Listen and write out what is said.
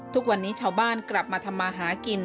ทุกวันนี้ชาวบ้านกลับมาทำมาหากิน